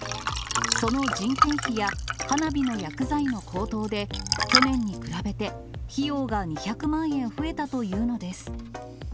その人件費や、花火の薬剤の高騰で、去年に比べて、費用が２００万円増えたというのです。